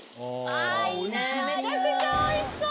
めちゃくちゃおいしそう！